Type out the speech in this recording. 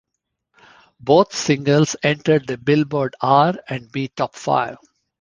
Both singles entered the Billboard R and B Top Five.